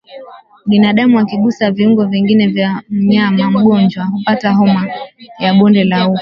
Binadamu akigusa viungo vingine vya mnyama mgonjwa hupata homa ya bonde la ufa